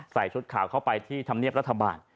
ชุดข่าวเข้าไปที่ธรรมเนียบรัฐบาล